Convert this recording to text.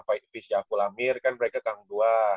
fightfish shavuul amir kan mereka tanggung dua